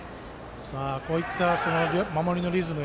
こういった守りのリズム。